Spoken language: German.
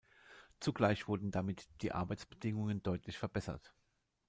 Zugleich wurden damit die Arbeitsbedingungen deutlich verbessert.